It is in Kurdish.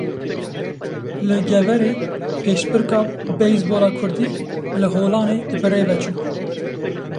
Li Geverê pêşbirka beyzbola Kurdî li Holanê birêve çû.